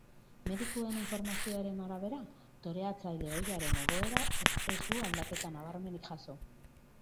Medikuen informazioaren arabera, toreatzaile ohiaren egoerak ez du aldaketa nabarmenik jaso.